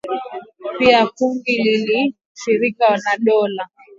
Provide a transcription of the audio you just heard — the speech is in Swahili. Pia kundi liliahidi ushirika na Dola ya kiislamu mwaka elfu mbili na kumi na tisa.